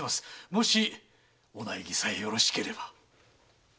もしお内儀さえよろしければ。